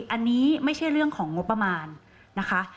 อันนี้ไม่ใช่เรื่องของงบประมาณนะคะ